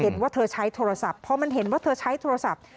ว่าเธอใช้โทรศัพท์เพราะมันเห็นว่าเธอใช้โทรศัพท์